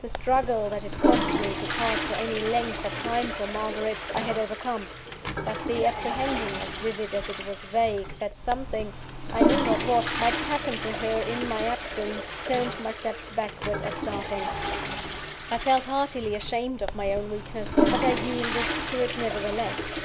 The struggle that it cost me to part for any length of time from Margaret, I had overcome; but the apprehension, as vivid as it was vague, that something I knew not what might happen to her in my absence, turned my steps backward at starting. I felt heartily ashamed of my own weakness; but I yielded to it nevertheless.